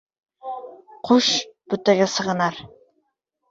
Qush butaga sig'inar